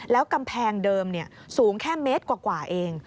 แล้วกำแพงเดิมสูงแค่เมตรกว่าเอง